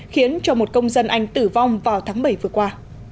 khiến cho một công dân anh tử vong vào tháng bảy vừa qua